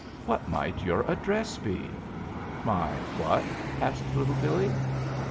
"What might your address be?" "My what?" asked Little Billee.